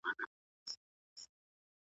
لا یې ستوني ته نغمه نه وه راغلې .